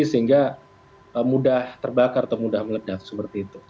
sehingga mudah terbakar atau mudah meledak seperti itu